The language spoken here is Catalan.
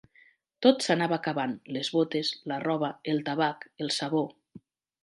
Tot s'anava acabant: les botes, la roba, el tabac, el sabó